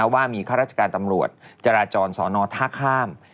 ว่ามีข้าราชการตำรวจจราจรสอนอท่าข้าม